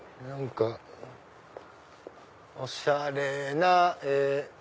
何かおしゃれな。